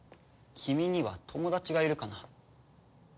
君には友達がいるかな？